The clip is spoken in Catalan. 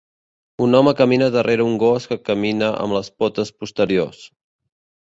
Un home camina darrera un gos que camina amb les potes posteriors.